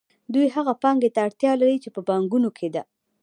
دوی هغې پانګې ته اړتیا لري چې په بانکونو کې ده